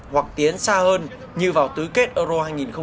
hoặc tiến xa hơn như vào tứ kết euro hai nghìn một mươi sáu